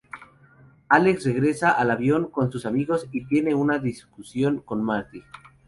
Álex regresa al avión con sus amigos y tiene una discusión con Marty.